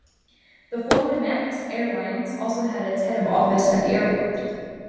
The former Manx Airlines also had its head office at the Airport.